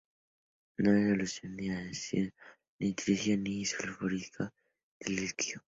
No es soluble ni en ácido nítrico ni en sulfúrico diluido.